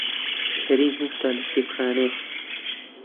کەریم هێشتا لە کتێبخانەیە.